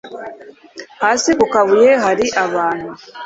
hasi kukabuye kari ahantu